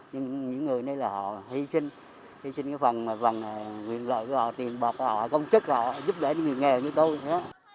nhưng những người này là họ hy sinh hy sinh cái phần nguyện lợi của họ tiền bạc của họ công chức họ giúp đỡ những người nghèo như tôi